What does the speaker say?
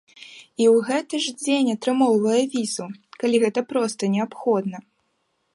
І ў гэты ж дзень атрымоўвае візу, калі гэта проста неабходна.